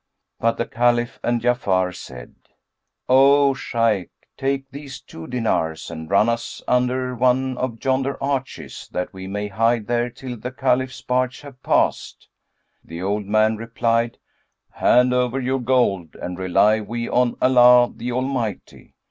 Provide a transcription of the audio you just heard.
But the Caliph and Ja'afar said, "O Shaykh, take these two dinars, and run us under one of yonder arches, that we may hide there till the Caliph's barge have passed." The old man replied, "Hand over your gold and rely we on Allah, the Almighty!"